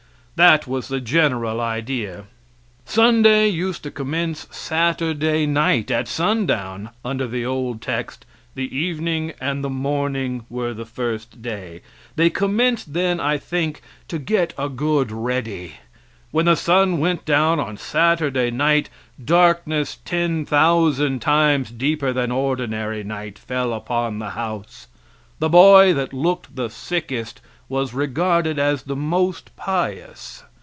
That was the general idea. Sunday used to commence Saturday night at sundown, under the old text, "The evening and the morning were the first day." They commenced then, I think, to get a good ready. When the sun went down Saturday night, darkness ten thousand times deeper than ordinary night fell upon the house. The boy that looked the sickest was regarded as the most pious.